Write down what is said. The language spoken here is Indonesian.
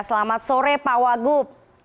selamat sore pak wagub